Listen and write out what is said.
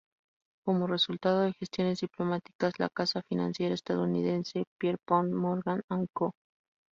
Como resultado de gestiones diplomáticas, la casa financiera estadounidense "Pierpont Morgan and Co.